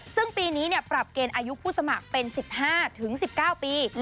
ซึ่งปีนี้ปรับเกณฑ์อายุผู้สมัครเป็น๑๕๑๙ปี